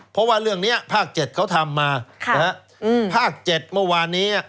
เพราะว่าเรื่องเนี้ยภาคเจ็ดเขาทำมาภาคเจ็ดเมื่อวานี้